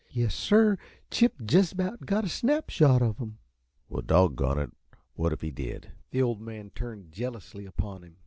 Yes, sir; Chip jest about got a snap shot of 'em." "Well, doggone it! what if he did?" The Old Man turned jealously upon him.